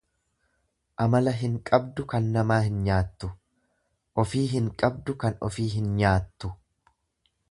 Amala hin qabdu kan namaa hin nyaattu, ofii hin qabdu kan ofii hin nyaattu.